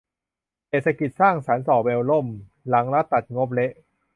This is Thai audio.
เศรษฐกิจสร้างสรรค์ส่อแววล่ม หลังรัฐตัดงบเละ